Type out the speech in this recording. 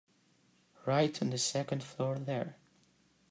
Right on the second floor there.